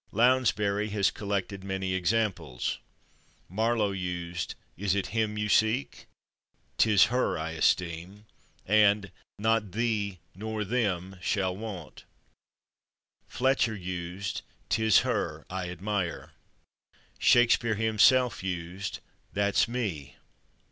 Lounsbury has collected many examples. Marlowe used "is it /him/ you seek?" "'tis /her/ I esteem" and "nor /thee/ nor /them/, shall want"; Fletcher used "'tis /her/ I admire"; Shakespeare himself used "that's /me